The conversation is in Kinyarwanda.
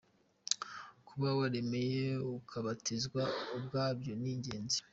Kuba waremeye, ukabatizwa ubwabyo ni ingenzi.